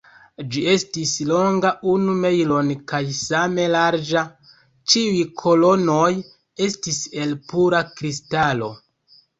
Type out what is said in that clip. Ĝi estis longa unu mejlon kaj same larĝa; ĉiuj kolonoj estis el pura kristalo.